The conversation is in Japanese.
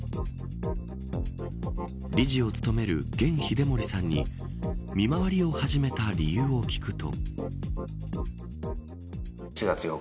理事を務める玄秀盛さんに見回りを始めた理由を聞くと。